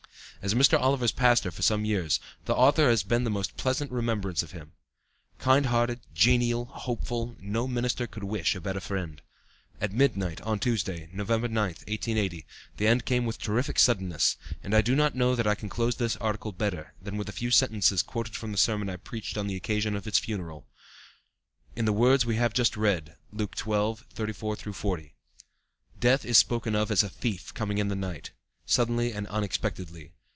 As Mr. Oliver's pastor for some years, the author has the most pleasant remembrance of him. Kind hearted, genial, hopeful, no minister could wish a better friend. At midnight, on Tuesday, November 9th, 1880, the end came with terrific suddenness, and I do not know that I can close this article better than with a few sentences quoted from the sermon I preached on the occasion of his funeral: "In the words we have just read (Luke 12: 34 40) death is spoken of as a thief coming in the night—suddenly and unexpectedly.